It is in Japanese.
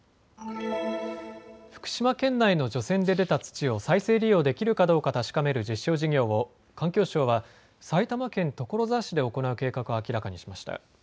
福島県内の除染で出た土を再生利用できるかどうか確かめる実証事業を環境省は埼玉県所沢市で行う計画を明らかにしました。